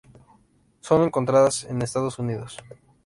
Son encontradas en Estados Unidos.